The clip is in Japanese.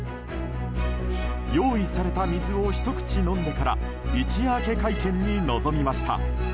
用意された水をひと口飲んでから一夜明け、会見に臨みました。